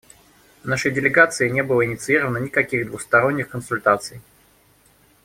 Нашей делегацией не было инициировано никаких двусторонних консультаций.